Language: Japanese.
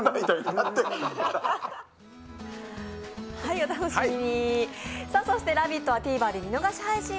お楽しみに。